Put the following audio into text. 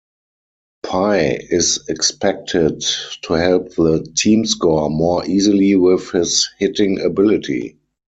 Pie is expected to help the team score more easily with his hitting ability.